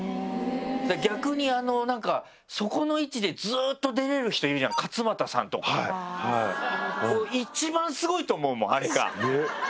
だから逆になんかそこの位置でずっと出られる人いるじゃん勝俣さんとか。一番スゴいと思うもんあれが。